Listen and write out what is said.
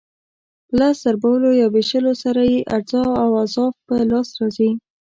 په لس ضربولو یا وېشلو سره یې اجزا او اضعاف په لاس راځي.